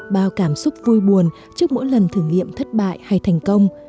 bao cảm xúc vui buồn trước mỗi lần thử nghiệm thất bại hay thành công